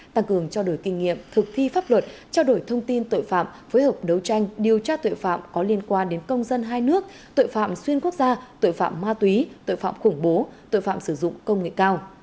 tăng cường trao đổi kinh nghiệm thực thi pháp luật trao đổi thông tin tội phạm phối hợp đấu tranh điều tra tội phạm có liên quan đến công dân hai nước tội phạm xuyên quốc gia tội phạm ma túy tội phạm khủng bố tội phạm sử dụng công nghệ cao